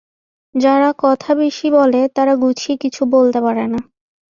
যারা কথা বেশি বলে তারা গুছিয়ে কিছু বলতে পারে না।